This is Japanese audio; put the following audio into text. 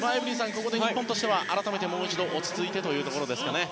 ここで日本としては改めてもう一度落ち着いてですね。